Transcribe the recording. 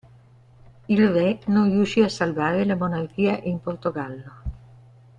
Il re non riuscì a salvare la monarchia in Portogallo.